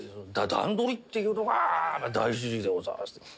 段取りっていうのが大事でございまして。